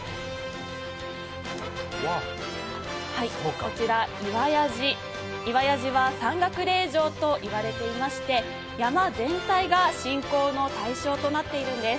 こちら、岩屋寺、岩屋寺は山岳霊場といわれていまして山全体が信仰の対象となっているんです。